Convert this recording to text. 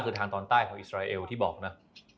คือทางตอนใต้ของอิสราเอลที่บอกนะ